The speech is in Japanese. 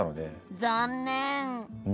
残念。